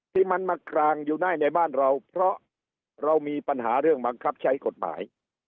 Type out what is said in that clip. ที่มันมากรางอยู่ได้ในบ้านเราเพราะเรามีปัญหาเรื่องบังคับใช้กฎหมาย